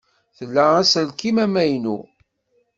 Tla aselkim amaynu?